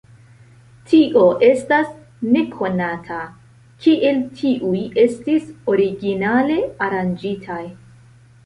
Tio estas nekonata, kiel tiuj estis originale aranĝitaj.